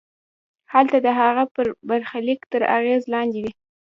هلته د هغه برخلیک تر اغېز لاندې وي.